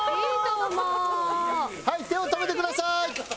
はい手を止めてください。